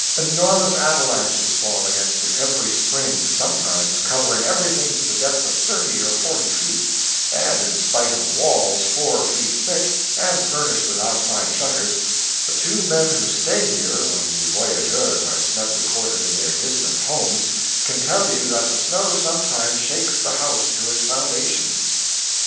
Enormous avalanches fall against it every spring, sometimes covering everything to the depth of thirty or forty feet; and, in spite of walls four feet thick, and furnished with outside shutters, the two men who stay here when the VOYAGEURS are snugly quartered in their distant homes can tell you that the snow sometimes shakes the house to its foundations.